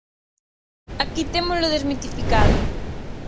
Aquí témolo desmitificado.